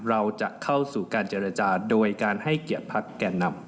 เราจะเข้าสู่การเจรจาโดยการให้เกียรติพักแก่นำ